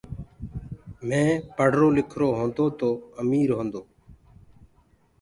مي پڙهرو لکرو هونٚدو تو امير هونٚدو